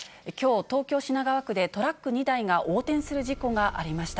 きょう、東京・品川区でトラック２台が横転する事故がありました。